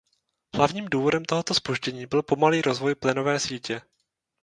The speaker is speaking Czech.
Hlavním důvodem tohoto zpoždění byl pomalý rozvoj plynové sítě.